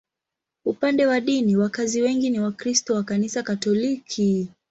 Upande wa dini, wakazi wengi ni Wakristo wa Kanisa Katoliki.